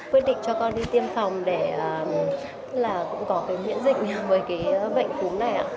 quyết định cho con đi tiêm phòng để là cũng có cái miễn dịch với cái bệnh cúm này ạ